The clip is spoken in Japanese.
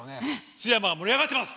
津山は盛り上がってます！